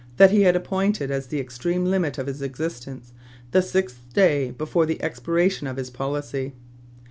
that he had appointed as the extreme limit of his existence the sixth day before the expiration of his policy.